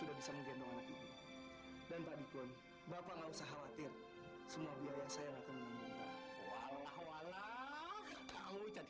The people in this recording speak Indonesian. aku sebagai teman semua punya kawan dokter